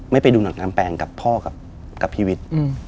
ไม่ไปดูหนังกางแปงกับพ่อกับพีวิทย์